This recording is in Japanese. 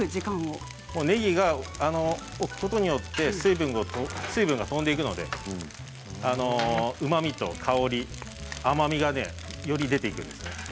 ねぎが置くことによって水分がとんでいくのでうまみと香り甘みがねより出ていくんですね。